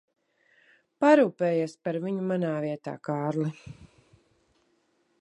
Parūpējies par viņu manā vietā, Kārli.